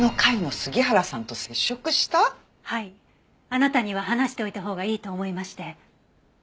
あなたには話しておいたほうがいいと思いまして。